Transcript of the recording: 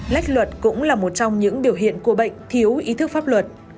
lách luật cũng là một trong những biểu hiện của bệnh thiếu ý thức pháp luật